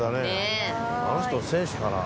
あの人選手かな？